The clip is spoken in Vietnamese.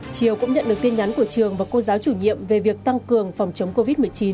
chiều cũng nhận được tin nhắn của trường và cô giáo chủ nhiệm về việc tăng cường phòng chống covid một mươi chín